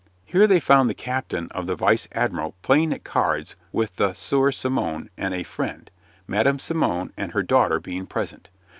Here they found the captain of the vice admiral playing at cards with the Sieur Simon and a friend, Madam Simon and her daughter being present.